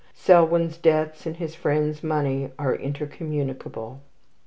Selwyn's debts and his friend's money are intercommunicable.